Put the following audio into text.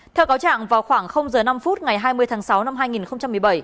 theo cáo trạng vào khoảng h năm ngày hai mươi tháng sáu năm hai nghìn một mươi bảy